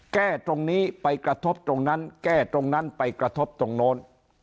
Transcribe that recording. แก้ตรงนี้ไปกระทบตรงนั้นแก้ตรงนั้นไปกระทบตรงโน้น